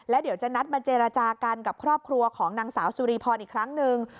เดี๋ยวจะนัดมาเจรจากันกับครอบครัวของนางสาวสุริพรอีกครั้งหนึ่ง